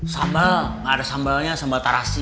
sambal ada sambalnya sambal terasi